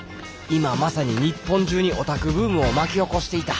今まさに日本中にオタクブームを巻き起こしていた